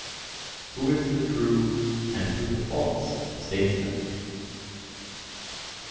Who is the true and who the false statesman?